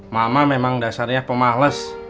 mama memang dasarnya pemales